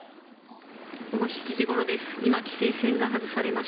午後７時ごろです。